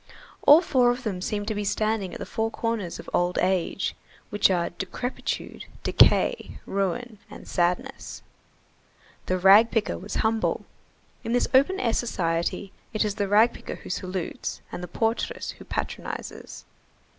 All four of them seemed to be standing at the four corners of old age, which are decrepitude, decay, ruin, and sadness. The rag picker was humble. In this open air society, it is the rag picker who salutes and the portress who patronizes.